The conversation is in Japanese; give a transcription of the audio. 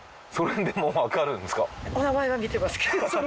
それでも分かるんですか？